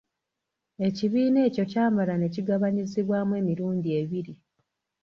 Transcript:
Ekibiina ekyo kyamala ne kigabanyizibwamu emirundi ebiri.